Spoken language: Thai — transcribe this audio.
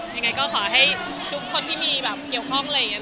อย่างไรก็ขอให้ทุกคนที่เกี่ยวข้อง